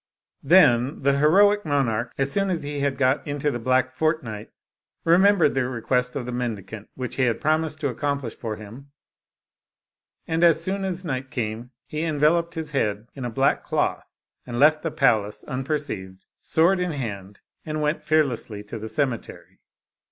Then the heroic monarch, as soon as he had got into the black fortnight, remembered the request of the mendicant, which he had promised to accomplish for him, and as soon as night came, he enveloped his head in a black cloth, and left the palace unperceived, sword in hand, and went fear lessly to the cemetery.